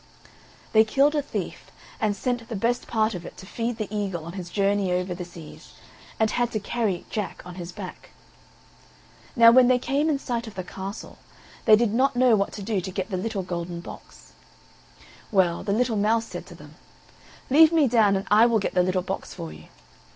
They killed a thief, and sent the best part of it to feed the eagle on his journey over the seas, and had to carry Jack on his back. Now when they came in sight of the castle, they did not know what to do to get the little golden box. Well, the little mouse said to them: "Leave me down, and I will get the little box for you."